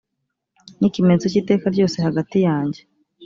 ni ikimenyetso cy iteka ryose hagati yanjye